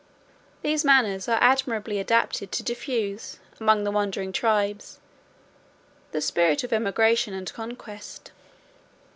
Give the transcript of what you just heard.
These manners are admirably adapted to diffuse, among the wandering tribes, the spirit of emigration and conquest.